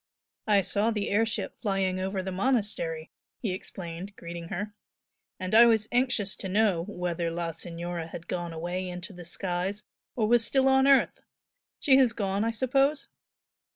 "I saw the air ship flying over the monastery," he explained, greeting her "And I was anxious to know whether la Signora had gone away into the skies or was still on earth! She has gone, I suppose?"